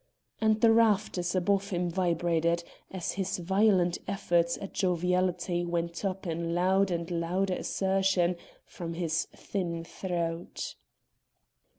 And the rafters above him vibrated, as his violent efforts at joviality went up in loud and louder assertion from his thin throat.